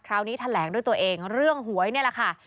คราวนี้แถลงด้วยตัวเองเรื่องหวยนี่แหละค่ะ